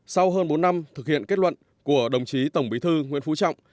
sau hơn bốn năm thực hiện kết luận của đồng chí tổng bí thư nguyễn phú trọng